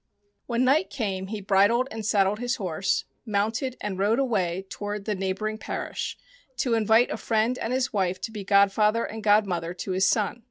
When night came he bridled and saddled his horse, mounted, and rode away toward the neighbouring parish to invite a friend and his wife to be godfather and god mother to his son.